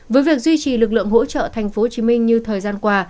với việc duy trì lực lượng hỗ trợ tp hcm như thời gian qua